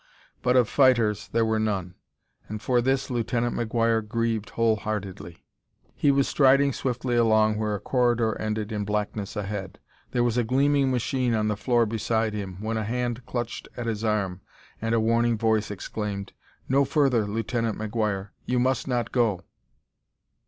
But of fighters there were none, and for this Lieutenant McGuire grieved wholeheartedly. He was striding swiftly along where a corridor ended in blackness ahead. There was a gleaming machine on the floor beside him when a hand clutched at his arm and a warning voice exclaimed: "No further, Lieutenant McGuire; you must not go!"